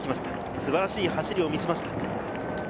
素晴らしい走りを見せました。